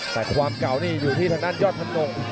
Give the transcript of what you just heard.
แต่ความเก่านี่อยู่ที่ทางด้านยอดธนง